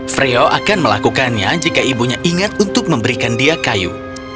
freo akan melakukannya jika ibunya ingat untuk memberikan dia kayu